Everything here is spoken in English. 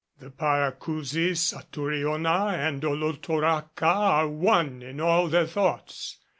"The Paracousi Satouriona and Olotoraca are one in all their thoughts.